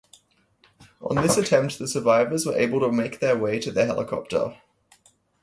On this attempt, the survivors were able to make their way to the helicopter.